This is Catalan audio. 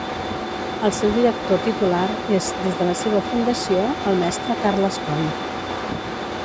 El seu director titular és, des de la seva fundació, el Mestre Carles Coll.